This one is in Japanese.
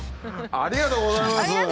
ありがとうございます！